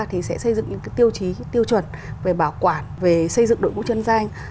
thì sẽ xây dựng những cái tiêu chí tiêu chuẩn về bảo quản về xây dựng đội mũ chân danh